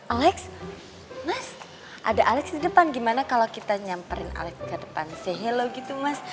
alex mas ada alex di depan gimana kalau kita nyamperin alex ke depan sehelo gitu mas